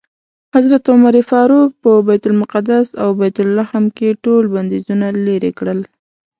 حضرت عمر فاروق په بیت المقدس او بیت لحم کې ټول بندیزونه لرې کړل.